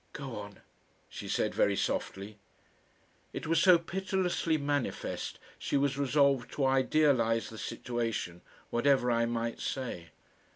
"Go on," she said, very softly. It was so pitilessly manifest she was resolved to idealise the situation whatever I might say.